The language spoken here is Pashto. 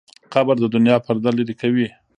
قبر د دنیا پرده لرې کوي.